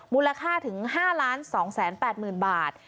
มูลค่าถึงห้าล้านสองแสนแปดหมื่นบาท